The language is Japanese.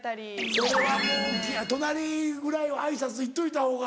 それはもう隣ぐらいは挨拶行っといたほうが。